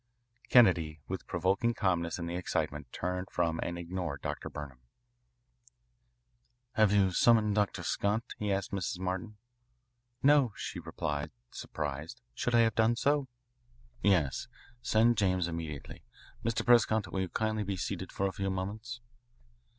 Kennedy, with provoking calmness in the excitement, turned from and ignored Dr. Burnham. "Have you summoned Dr. Scott?" he asked Mrs. Martin. "No," she replied, surprised. "Should I have done so?" "Yes. Send James immediately. Mr. Prescott, will you kindly be seated for a few moments."